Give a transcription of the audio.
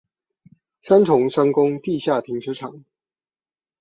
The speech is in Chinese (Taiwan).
三重商工地下停車場